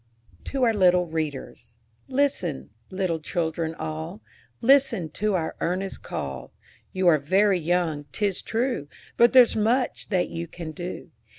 TO OUR LITTLE READERS. Listen, little children, all, Listen to our earnest call: You are very young, 'tis true, But there's much that you can do.